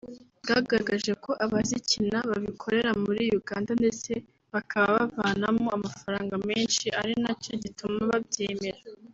bwagaragaje ko abazikina babikorera muri Uganda ndetse bakaba bavanamo amafaranga menshi ari nacyo gituma babyemera